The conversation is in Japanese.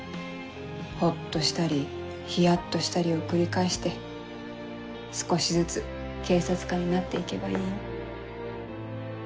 ほっとしたりヒヤっとしたりを繰り返して少しずつ警察官になって行けばいいよ。